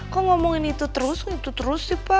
kok ngomongin itu terus ngitu terus sih pa